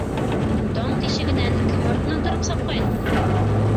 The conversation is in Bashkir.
Таң тишегенән кем артынан тороп сапҡайның?